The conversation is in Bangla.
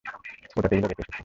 ওটা টেবিলে রেখে এসেছি!